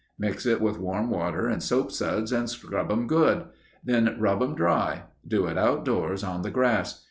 Mix it with warm water and soapsuds and scrub 'em good. Then rub 'em dry. Do it outdoors on the grass.